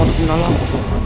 sangat benar lampu